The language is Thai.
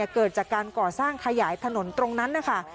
เกิดจากการก่อสร้างขยายถนนตรงนั้นนะคะ